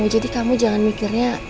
jadi kamu jangan mikirnya